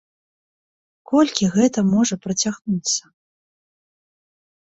Колькі гэта можа працягнуцца?